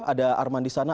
ada arman di sana